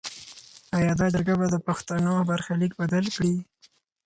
ایا دا جرګه به د پښتنو برخلیک بدل کړي؟